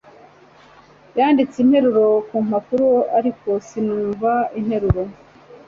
yanditse interuro ku mpapuro, ariko sinumva interuro